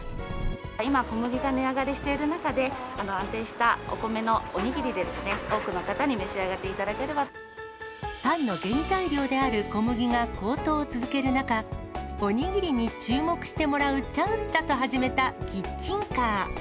今、小麦が値上がりしている中で、安定したお米のおにぎりですね、多くの方に召し上がっていただけパンの原材料である小麦が高騰を続ける中、おにぎりに注目してもらうチャンスだと始めたキッチンカー。